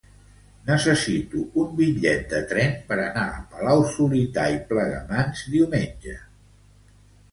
Necessito un bitllet de tren per anar a Palau-solità i Plegamans diumenge.